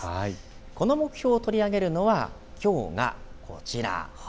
この目標を取り上げるのはきょうがこちら。